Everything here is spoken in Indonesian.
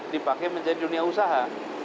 dipakai menjadi dunia usaha